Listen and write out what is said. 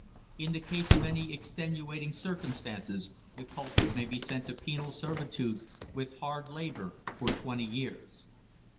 In the case of any extenuating circumstances, the culprit may be sent to penal servitude with hard labour for twenty years.